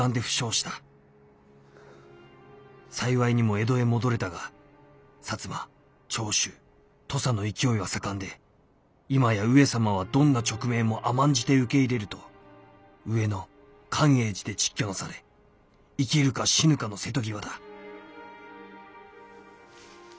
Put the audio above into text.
幸いにも江戸へ戻れたが摩長州土佐の勢いは盛んで今や上様はどんな勅命も甘んじて受け入れると上野寛永寺で蟄居なされ生きるか死ぬかの瀬戸際だ」。